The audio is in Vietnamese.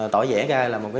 tỏ dễ ra là một cái